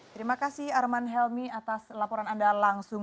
terima kasih arman helmi atas laporan anda langsung